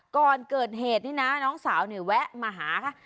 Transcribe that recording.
ก่อนเกิดเหตุนี่นะน้องสาวเนี่ยแวะมาหาค่ะ